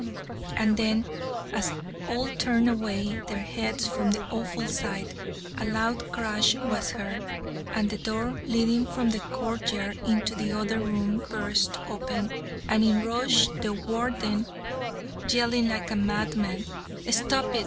"And then, as all turned away their heads from the awful sight, a loud crash was heard, and the door leading from the court yard into the other room burst open, and in rushed the Warden, yelling like a madman: 'Stop it!